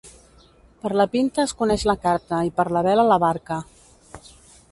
Per la pinta es coneix la carta i per la vela la barca.